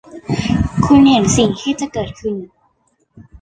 คุณเห็นสิ่งที่จะเกิดขึ้น